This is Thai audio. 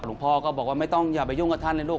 หลวงพ่อก็บอกว่าไม่ต้องอย่าไปยุ่งกับท่านเลยลูก